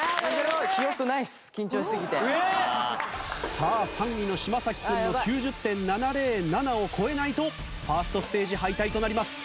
さあ３位の嶋君の９０．７０７を超えないとファーストステージ敗退となります。